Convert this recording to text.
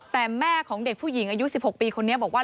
แต่แม่ของเด็กผู้หญิงอายุ๑๖ปีคนนี้บอกว่า